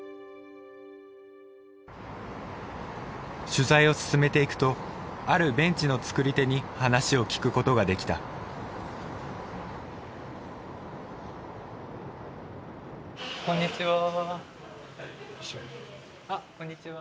取材を進めていくとあるベンチの作り手に話を聞くことができたこんにちは。